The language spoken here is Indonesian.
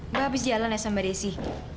mbak habis jalan ya samba desi